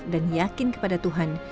dan yakin kepada tuhan